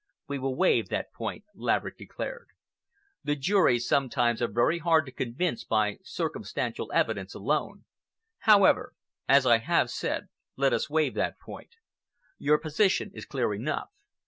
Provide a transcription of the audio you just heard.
"We will waive that point," Laverick declared. "The jury sometimes are very hard to convince by circumstantial evidence alone. However, as I have said, let us waive that point. Your position is clear enough.